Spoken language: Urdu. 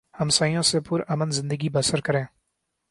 ہمسایوں سے پر امن زندگی بسر کریں